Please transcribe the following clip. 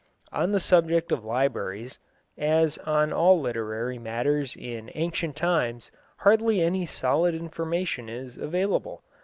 On the subject of libraries, as on all literary matters in ancient times, hardly any solid information is available.